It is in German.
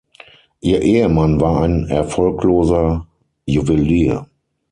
Ihr Ehemann war ein erfolgloser Juwelier.